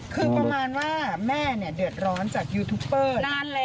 คือประมาณว่าแม่เดือดร้อนจากยูทูบเบอร์